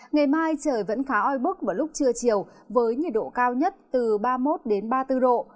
ngày mai trời vẫn khá oi bức vào lúc trưa chiều với nhiệt độ cao nhất từ ba mươi một ba mươi bốn độ